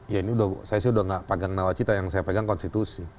ya ini saya sudah tidak pegang nawacita yang saya pegang konstitusi